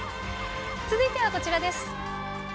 続いてはこちらです。